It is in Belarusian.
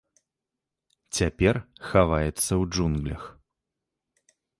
Цяпер хаваецца ў джунглях.